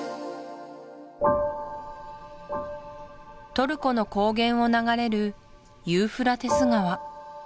トルコの高原を流れるユーフラテス川